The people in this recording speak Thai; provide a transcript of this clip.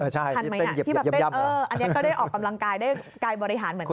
ทันไหมที่แบบเต้นอันนี้ก็ได้ออกกำลังกายได้กายบริหารเหมือนกัน